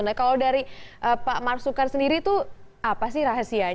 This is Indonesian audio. kalau dari pak mark sungkar sendiri itu apa sih rahasianya